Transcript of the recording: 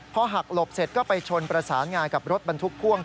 พอหักหลบเสร็จก็ไปชนประสานงานกับรถบรรทุกพ่วง